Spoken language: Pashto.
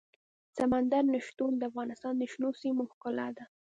سمندر نه شتون د افغانستان د شنو سیمو ښکلا ده.